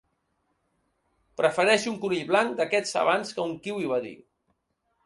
Prefereixo un conill blanc d'aquests abans que un kiwi —va dir.